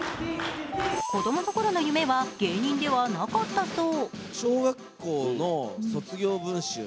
子供のころの夢は芸人ではなかったそう。